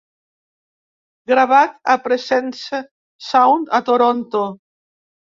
Gravat a Presence Sound a Toronto.